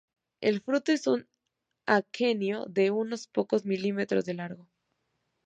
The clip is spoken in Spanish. El fruto es un aquenio de unos pocos milímetros de largo.